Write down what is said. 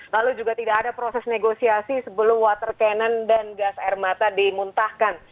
lalu juga tidak ada proses negosiasi sebelum water cannon dan gas air mata dimuntahkan